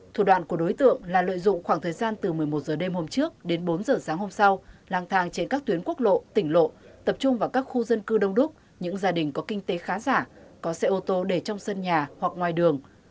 thủ đoạn của đối tượng là lợi dụng khoảng thời gian từ một mươi một h đêm hôm trước đến bốn h sáng hôm sau lang thang trên các tuyến quốc lộ tỉnh lộ tập trung vào các khu dân cư đông đúc những gia đình có kinh tế khá giả có xe ô tô để trong sân nhà hoặc ngoài đường